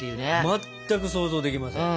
全く想像できません。